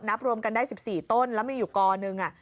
รวมกันได้๑๔ต้นแล้วมีอยู่กอหนึ่ง